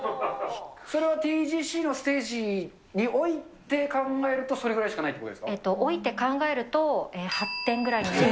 それはＴＧＣのステージに置いて考えると、それぐらいしかないとえっと、おいて考えると、８点ぐらいになって。